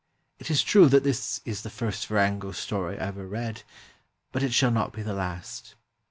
It is true that this is the first Firango story I ever read, but it shall not be the last.